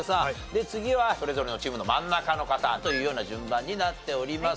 で次はそれぞれのチームの真ん中の方というような順番になっております。